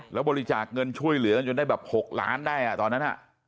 แล้วบริจาคเงินช่วยเหลือกันจนได้แบบ๖ล้านได้ตอนนั้น